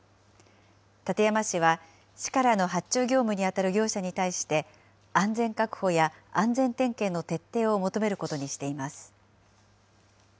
館山市は、市からの発注業務に当たる業者に対して、安全確保や安全点検の徹底を求めることにしています。